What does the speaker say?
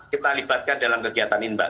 kita libatkan dalam kegiatan ini mbak